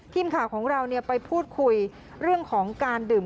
ทีมข่าวของเราไปพูดคุยเรื่องของการดื่ม